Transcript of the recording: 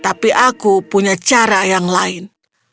tapi aku punya cara yang lain